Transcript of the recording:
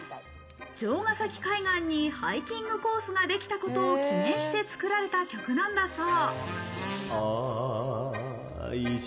城ヶ崎海岸にハイキングコースができたことを記念して作られた曲なんだそう。